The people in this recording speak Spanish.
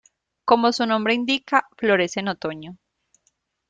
Como su nombre indica florece en otoño.